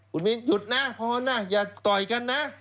คุณมินหยุดนะพอนะอย่าต่อยกันนะ